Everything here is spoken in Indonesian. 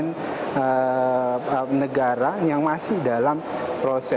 nah saya ingin menyampaikan kami sayangkan kemudian ada dokumen yang masih dalam proses pembahasan